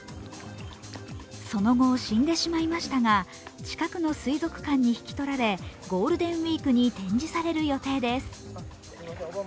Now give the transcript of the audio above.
その後、死んでしまいましたが近くの水族館に引き取られゴールデンウイークに展示される予定です。